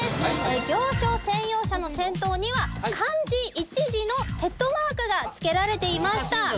行商専用車の先頭には漢字１字のヘッドマークがつけられていました。